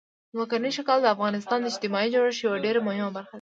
ځمکنی شکل د افغانستان د اجتماعي جوړښت یوه ډېره مهمه برخه ده.